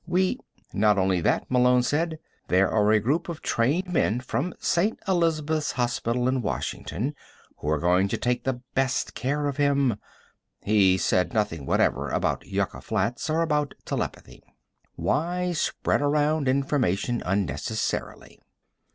We " "Not only that," Malone said. "There are a group of trained men from St. Elizabeths Hospital in Washington who are going to take the best of care of him." He said nothing whatever about Yucca Flats, or about telepathy. Why spread around information unnecessarily?